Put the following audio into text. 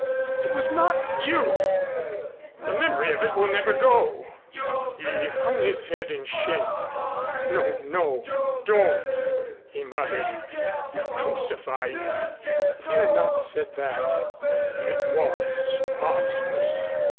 "It was not you! The memory of it will never go." He hung his head in shame. "No, no, don't!" he muttered. "You're crucifying me!" "If you had not said that " "It was monstrous.